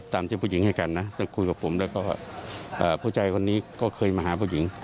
ตามที่ผู้หญิงให้กันนะซึ่งคุยกับผมแล้วก็ผู้ชายคนนี้ก็เคยมาหาผู้หญิง